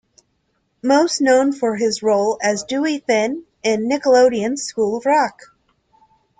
Most known for his role as Dewey Finn on Nickelodeon's School of Rock.